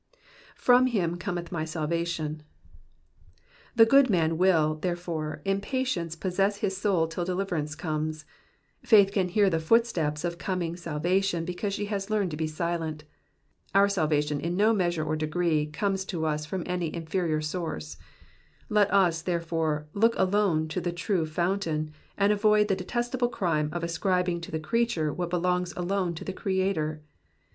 ^^From him oometh my mhation.'''' The good man will, therefore, in patience possess his soul till deliverance comes : faith can hear the footsteps of coming salvation, because she has learned to be silent. Our salvation in no measure or degree comes to us from any inferior source ; let us, therefore, look alone to the true fountain, and avoid the detestable crime of ascribing to the creature what belongs alone to the Creator.